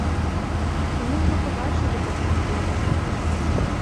І мы ўжо пабачылі, каму яна была патрэбна.